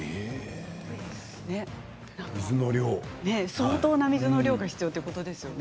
相当な水の量が必要ということですよね。